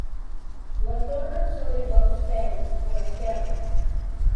La torre s'eleva als peus, a l'esquerra.